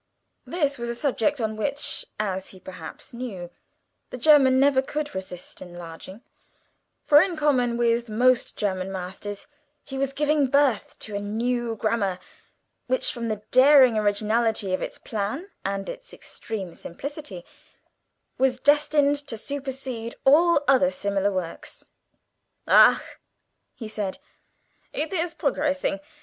This was a subject on which (as he perhaps knew) the German never could resist enlarging, for in common with most German masters, he was giving birth to a new Grammar, which, from the daring originality of its plan, and its extreme simplicity, was destined to supersede all other similar works. "Ach," he said, "it is brogressing.